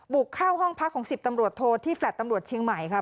บุกเข้าห้องพักของ๑๐ตำรวจโทที่แลต์ตำรวจเชียงใหม่ค่ะ